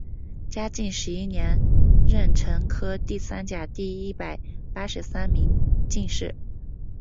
嘉靖十一年壬辰科第三甲第一百八十三名进士。